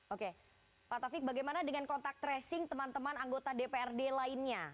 oke pak taufik bagaimana dengan kontak tracing teman teman anggota dprd lainnya